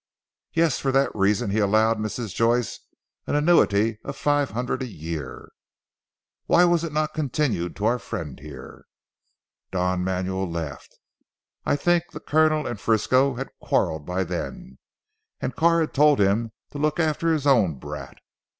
"Yes! For that reason he allowed Mrs. Joyce an annuity of five hundred a year." "Why was it not continued to our friend here?" Don Manuel laughed. "I think the Colonel and Frisco had quarrelled by then, and Carr had told him to look after his own brat."